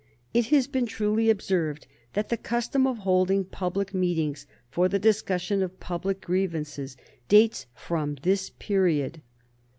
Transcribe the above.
It has been truly observed that the custom of holding public meetings for the discussion of public grievances dates from this period.